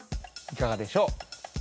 いかがでしょう。